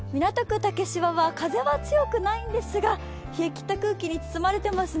竹芝は風は強くないんですが、冷えきった空気に包まれてますね。